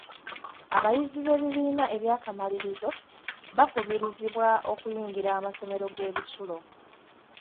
Abayizi b'ebibiina eby'akamalirizo bakubirizibwa okuyingira amasomero g'ebisulo.